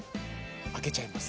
開けちゃいます。